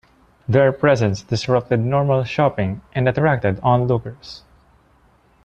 Their presence disrupted normal shopping and attracted onlookers.